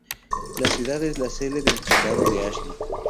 La ciudad es la sede del condado de Ashley.